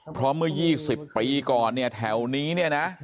เพราะเมื่อ๒๐ปีก่อนเนี่ยแถวนี้เนี่ยนะ